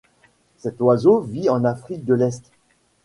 Cet oiseau vit en Afrique de l'Est.